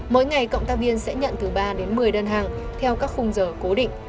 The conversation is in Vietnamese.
mỗi ngày cộng tác viên sẽ nhận từ ba đến một mươi đơn hàng theo các khung giờ cố định